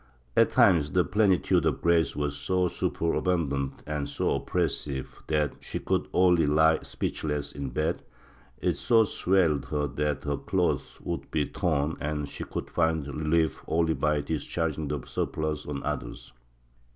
At times the plenitude of grace was so superabundant and so oppressive that she could only lie speechless in bed; it so swelled her that her clothes would be torn and she could find relief only by discharging the surplus on others.